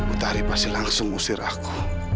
utari pasti langsung usir aku